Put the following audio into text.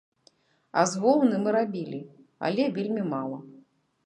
А з воўны мы рабілі, але вельмі мала.